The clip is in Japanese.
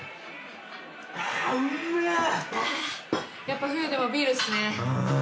やっぱ冬でもビールっすね。